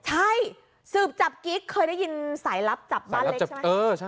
ใช่สืบจับกิ๊กเคยได้ยินสายลับจับบ้านเล็กใช่ไหม